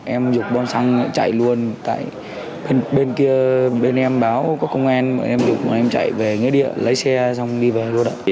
em dục bom xăng chạy luôn tại bên kia bên em báo có công an em dục và em chạy về nghế địa lấy xe xong đi về đuổi